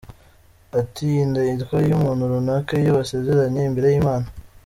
Ati “Inda yitwa iy’umuntu runaka iyo basezeranye imbere y’Imana.